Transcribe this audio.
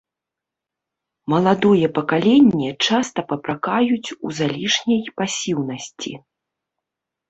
Маладое пакаленне часта папракаюць у залішняй пасіўнасці.